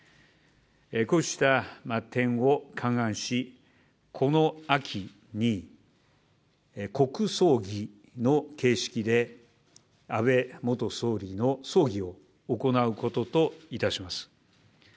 こうした点を勘案し、この秋に、国葬儀の形式で、安倍元総理の葬儀を行うことといたします。